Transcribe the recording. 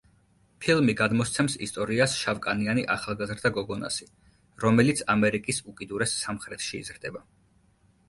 ფილმი გადმოსცემს ისტორიას შავკანიანი ახალგაზრდა გოგონასი, რომელიც ამერიკის უკიდურეს სამხრეთში იზრდება.